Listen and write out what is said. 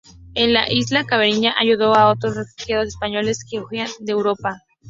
En la isla caribeña ayudó a otros refugiados españoles que huían de Europa.